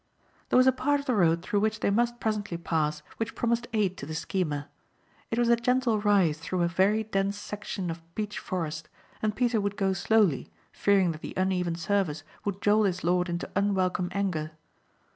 There was a part of the road through which they must presently pass which promised aid to the schemer. It was a gentle rise through a very dense section of beech forest and Peter would go slowly fearing that the uneven surface would jolt his lord into unwelcome anger.